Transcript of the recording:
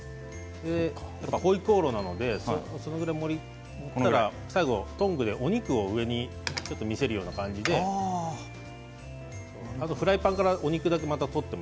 ホイコーローなのでそれぐらい盛ってから最後、トングでお肉を上に見せるような感じでフライパンからお肉だけを取っても。